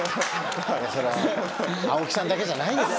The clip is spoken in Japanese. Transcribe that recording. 青木さんだけじゃないんです。